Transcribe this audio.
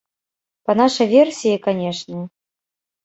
Па нашай версіі, канешне.